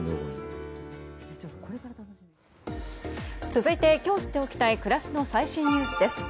続いて今日知っておきたい暮らしの最新ニュースです。